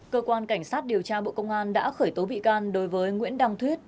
cơ quan cảnh sát điều tra bộ công an đã khởi tố bị can đối với nguyễn đăng thuyết